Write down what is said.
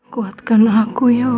kuatkan aku ya allah